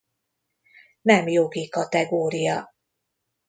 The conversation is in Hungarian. Nem jogi kategória.